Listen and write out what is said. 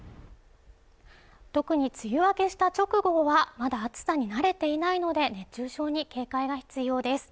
特に梅雨明けした直後はまだ暑さに慣れていないので熱中症に警戒が必要です